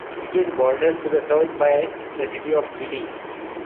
It is bordered to the south by the city of Dilley.